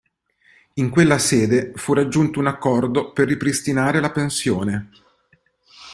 In quella sede fu raggiunto un accordo per ripristinare la pensione.